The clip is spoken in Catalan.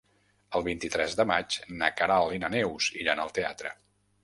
El vint-i-tres de maig na Queralt i na Neus iran al teatre.